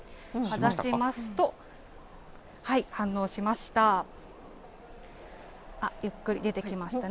かざしますと、反応しました。